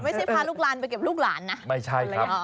ไม่ใช่พาลูกลานไปเก็บลูกลานนะ